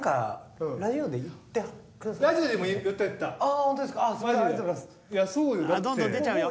ああどんどん出ちゃうよ。